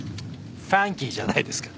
ファンキーじゃないですか。